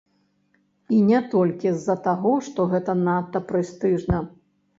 І не толькі з-за таго, што гэта надта прэстыжна.